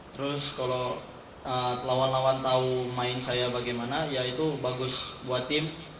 terus kalau lawan lawan tahu main saya bagaimana ya itu bagus buat tim